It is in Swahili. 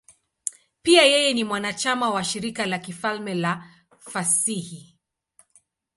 Pia yeye ni mwanachama wa Shirika la Kifalme la Fasihi.